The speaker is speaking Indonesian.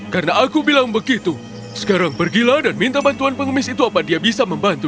karena aku bilang begitu sekarang pergilah dan minta bantuan pengemis itu apa dia bisa membantu